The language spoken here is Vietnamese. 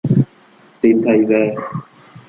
Tìm thầy về